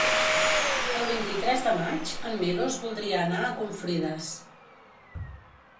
El vint-i-tres de maig en Milos voldria anar a Confrides.